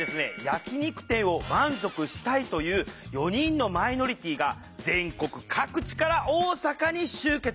焼き肉店を満足したいという４人のマイノリティーが全国各地から大阪に集結。